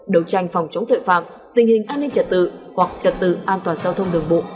đấu tranh phòng chống tội phạm tình hình an ninh trật tự hoặc trật tự an toàn giao thông đường bộ